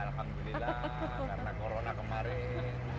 alhamdulillah karena corona kemarin